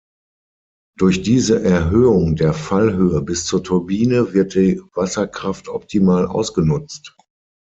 Durch diese Erhöhung der Fallhöhe bis zur Turbine wird die Wasserkraft optimal ausgenutzt.